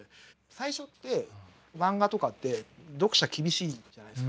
最初って漫画とかって読者厳しいじゃないですか。